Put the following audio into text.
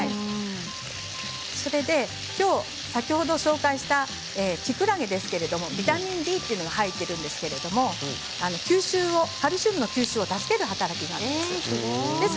それで、きょう先ほど紹介したきくらげですけれどもビタミンＤが入っているんですけれどもカルシウムの吸収を助ける働きがあります。